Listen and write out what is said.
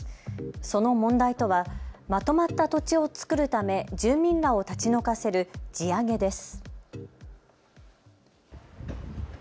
その問題とはまとまった土地を作るため住民らを立ち退かせる地上げです。